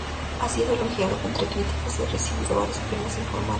Ha sido elogiado entre críticos y ha recibido varios premios informales.